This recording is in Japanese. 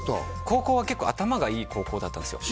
高校は結構頭がいい高校だったんですよ